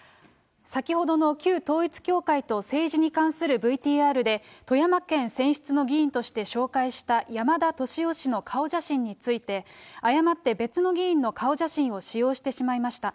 先ほどの旧統一教会と政治に関するＶＴＲで、富山県選出の議員として紹介した山田俊男氏の顔写真について、誤って別の議員の顔写真を使用してしまいました。